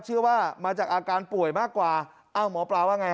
เชื่อว่ามาจากอาการป่วยมากกว่าอ้าวหมอปลาว่าไง